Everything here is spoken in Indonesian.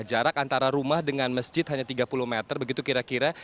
jarak antara rumah dengan masjid hanya tiga puluh meter begitu kira kira